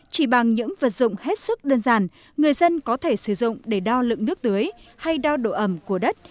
chỉ bằng những vật dụng hết sức đơn giản người dân có thể sử dụng để đo lượng nước tưới hay đo độ ẩm của đất